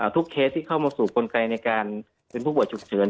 เคสที่เข้ามาสู่กลไกในการเป็นผู้ป่วยฉุกเฉิน